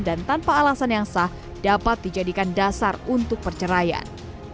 dan tanpa alasan yang sah dapat dijadikan dasar untuk perceraian